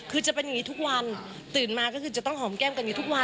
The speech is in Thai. คือจะเป็นอย่างนี้ทุกวันตื่นมาก็คือจะต้องหอมแก้มกันอยู่ทุกวัน